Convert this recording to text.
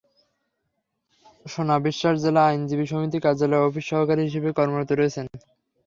সোনা বিশ্বাস জেলা আইনজীবী সমিতি কার্যালয়ের অফিস সহকারী হিসেবে কর্মরত রয়েছেন।